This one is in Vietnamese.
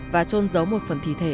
và trôn giấu một phần thi thể